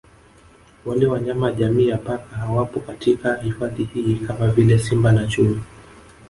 Wale wanyama jamii ya Paka hawapo katika hifadhi hii kama vile Simba na Chui